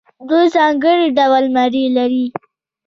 دوی ځانګړي ډول مڼې لري.